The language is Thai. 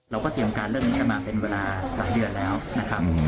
เราก็เตรียมการเรื่องนี้กันมาเป็นเวลาหลายเดือนแล้วนะครับ